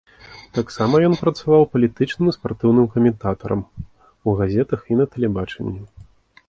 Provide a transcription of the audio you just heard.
Таксама ён працаваў палітычным і спартыўным каментатарам у газетах і на тэлебачанні.